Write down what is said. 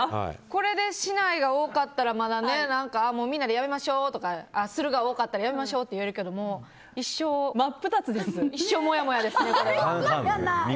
これでするが多かったらまだ、何かみんなでやめましょうとかするが多かったらやめましょうって言えるけど一生もやもやですね。